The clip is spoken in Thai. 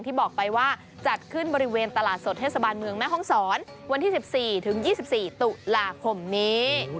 บอกไปว่าจัดขึ้นบริเวณตลาดสดเทศบาลเมืองแม่ห้องศรวันที่๑๔ถึง๒๔ตุลาคมนี้